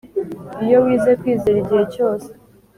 iyo wize kwizera igihe cyose